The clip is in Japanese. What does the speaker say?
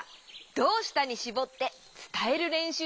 「どうした」にしぼってつたえるれんしゅうをしよう！